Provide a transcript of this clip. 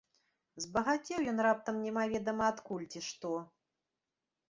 Забагацеў ён раптам немаведама адкуль, ці што!